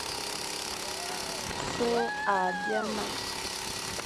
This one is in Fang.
So a bîa me,